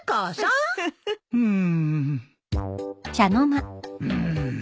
うん？